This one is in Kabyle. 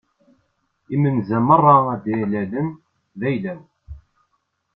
Imenza meṛṛa ara d-ilalen d ayla-w.